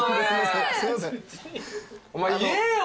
お前言えよ。